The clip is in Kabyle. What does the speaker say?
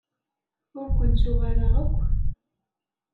Ur ken-ttuɣ ara akk.